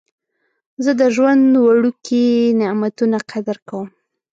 زه د ژوند وړوکي نعمتونه قدر کوم.